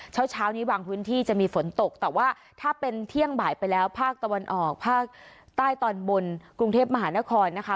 เช้าเช้านี้บางพื้นที่จะมีฝนตกแต่ว่าถ้าเป็นเที่ยงบ่ายไปแล้วภาคตะวันออกภาคใต้ตอนบนกรุงเทพมหานครนะคะ